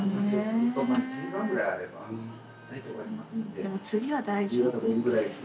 でも次は大丈夫よ。